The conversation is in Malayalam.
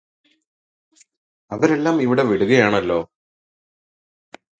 അവരെല്ലാം ഇവിടം വിടുകയാണല്ലോ